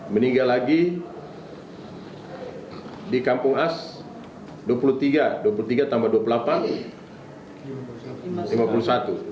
meninggal lagi di kampung as dua puluh tiga dua puluh tiga tambah dua puluh delapan lima puluh satu